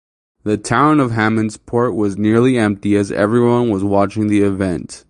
The town of Hammondsport was nearly empty as everyone was watching the event.